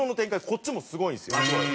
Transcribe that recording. こっちもすごいんですよ。